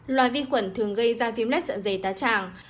loài vi khuẩn thường gây ra phim lết dạng dày tá tràng